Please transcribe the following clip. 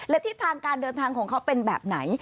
และทิศทางการเดินทางของเขาเป็นแบบไหน